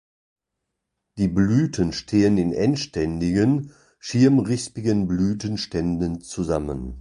Die Blüten stehen in endständigen, schirmrispigen Blütenständen zusammen.